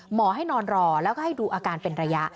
หมอให้นอนรอแล้วก็ให้ดูอาการเป็นระยะ